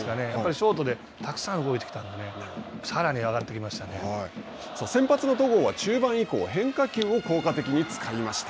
ショートでたくさん動いてきたんで、さらに先発の戸郷は、中盤以降変化球を効果的に使いました。